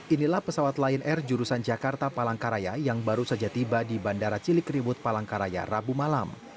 inilah pesawat lion air jurusan jakarta palangkaraya yang baru saja tiba di bandara cilikriwut palangkaraya rabu malam